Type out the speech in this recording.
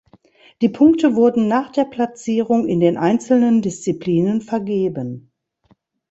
Die Punkte wurden nach der Platzierung in den einzelnen Disziplinen vergeben.